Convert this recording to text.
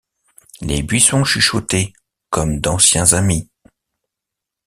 Les buissons chuchotaient comme d’anciens amis.